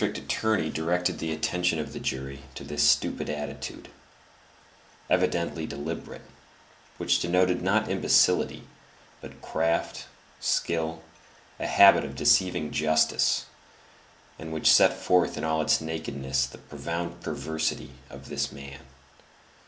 The district attorney directed the attention of the jury to this stupid attitude, evidently deliberate, which denoted not imbecility, but craft, skill, a habit of deceiving justice, and which set forth in all its nakedness the "profound perversity" of this man.